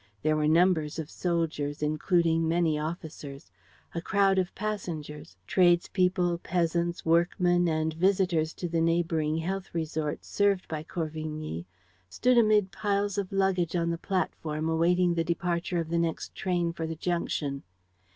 There were numbers of soldiers, including many officers. A crowd of passengers tradespeople, peasants, workmen and visitors to the neighboring health resorts served by Corvigny stood amid piles of luggage on the platform, awaiting the departure of the next train for the junction.